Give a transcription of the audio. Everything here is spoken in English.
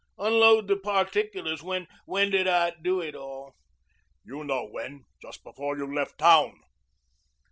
Unload the particulars. When did I do it all?" "You know when. Just before you left town."